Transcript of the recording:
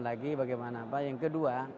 lagi bagaimana pak yang kedua